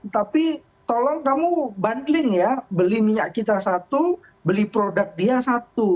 tapi tolong kamu bundling ya beli minyak kita satu beli produk dia satu